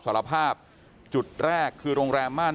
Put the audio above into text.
แต่ว่าวินนิสัยดุเสียงดังอะไรเป็นเรื่องปกติอยู่แล้วครับ